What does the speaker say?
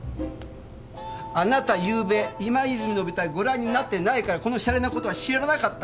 あなたゆうべ今泉の舞台ご覧になってないからこのしゃれのことは知らなかったんです。